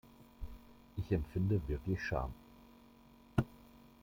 Ich empfinde wirklich Scham.